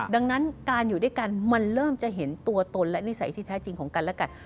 ดังนั้นการอยู่ด้วยกันมันเริ่มจะเห็นตัวตนและนิสัยที่แท้จริงของกันและกัน